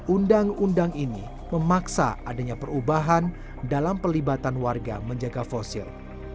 undang undang ini memaksa adanya perubahan dalam pelibatan warga menjaga fosil